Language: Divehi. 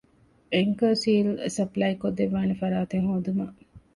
އެންކަރ ސީލް ސަޕްލައިކޮށްދެއްވާނެ ފަރާތެެއް ހޯދުމަށް